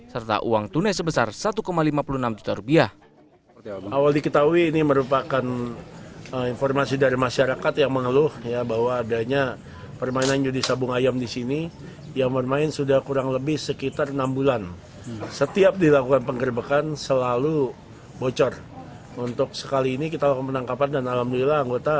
serta uang tunai sebesar satu lima puluh enam juta rupiah